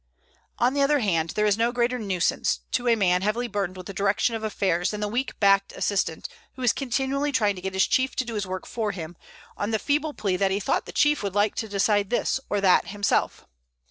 On the other hand, there is no greater nuisance to a man heavily burdened with the direction of affairs than the weak backed assistant who is continually trying to get his chief to do his work for him, on the feeble plea that he thought the chief would like to decide this or that himself.